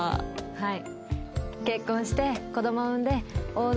はい。